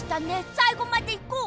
さいごまでいこう！